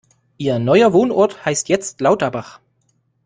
Ihr neuer Wohnort heißt jetzt Lauterbach.